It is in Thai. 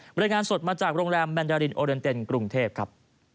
รายงานสดมาจากโรงแรมแมนดารินโอเรนเต็นกรุงเทพครับ